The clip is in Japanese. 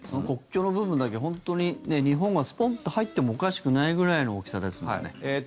国境の部分だけで本当に日本がスポンと入ってもおかしくないぐらいの大きさですもんね。